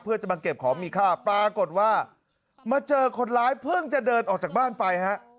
เพื่อจะมาเก็บของมีค่าปรากฏว่ามาเจอคนร้ายเพิ่งจะเดินออกจากบ้านไปฮะ